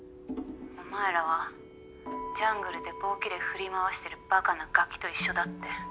お前らはジャングルで棒切れ振り回してるばかなガキと一緒だって。